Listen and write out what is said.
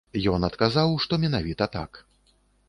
Ён адказаў, што менавіта так.